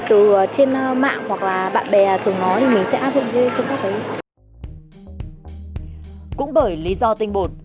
từ trên mạng hoặc bạn bè thường nói thì mình sẽ áp dụng chế độ ăn cắt giảm tinh bột